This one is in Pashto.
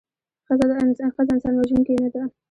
ښځه انسان وژوونکې نده